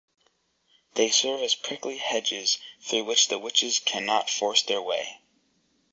They serve as prickly hedges through which the witches cannot force their way.